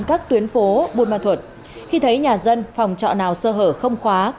các tuyến phố buôn ma thuật khi thấy nhà dân phòng trọ nào sơ hở không khóa